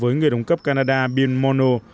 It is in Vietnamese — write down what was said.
với người đồng cấp canada bill mono